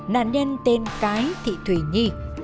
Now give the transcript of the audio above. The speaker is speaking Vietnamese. nạn nhân tên cái thị thủy nhi